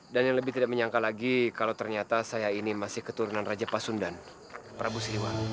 dan yang lebih tidak menyangka lagi kalau ternyata saya ini masih keturunan raja pasundan prabu sriwang